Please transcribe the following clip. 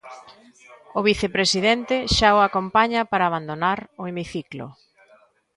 O vicepresidente xa o acompaña para abandonar o hemiciclo.